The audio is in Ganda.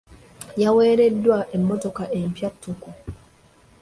Yaweereddwa emmotoka empya ttuku.